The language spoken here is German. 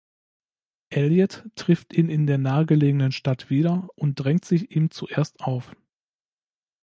Elliot trifft ihn in der nahegelegenen Stadt wieder und drängt sich ihm zuerst auf.